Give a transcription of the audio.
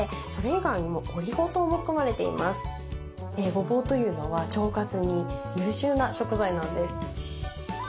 ごぼうというのは腸活に優秀な食材なんです。